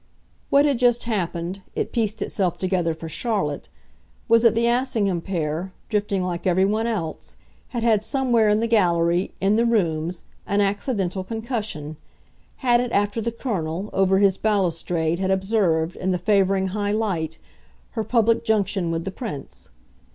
What had just happened it pieced itself together for Charlotte was that the Assingham pair, drifting like everyone else, had had somewhere in the gallery, in the rooms, an accidental concussion; had it after the Colonel, over his balustrade, had observed, in the favouring high light, her public junction with the Prince.